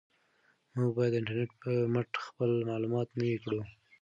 موږ باید د انټرنیټ په مټ خپل معلومات نوي کړو.